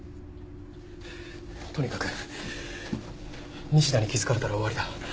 とにかく西田に気付かれたら終わりだ。